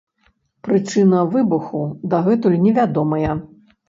Прычына выбуху дагэтуль невядомая.